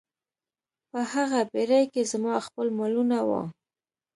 په هغه بیړۍ کې زما خپل مالونه وو.